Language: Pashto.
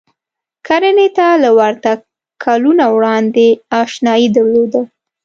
کرنې ته له ورتګ کلونه وړاندې اشنايي درلوده.